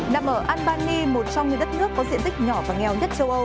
nằm ở albany một trong những đất nước có diện tích nhỏ và nghèo nhất châu âu